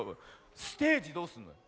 ステージどうすんの？